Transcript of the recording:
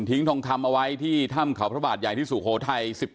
ทองคำเอาไว้ที่ถ้ำเขาพระบาทใหญ่ที่สุโขทัย